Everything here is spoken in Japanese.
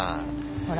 ほら。